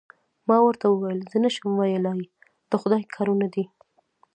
ما ورته وویل: زه څه نه شم ویلای، د خدای کارونه دي.